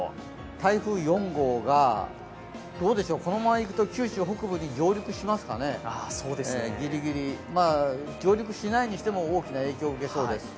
台風４号が、このままいくと九州北部に上陸しますかね、ぎりぎり、上陸しないにしても大きな影響を受けそうです。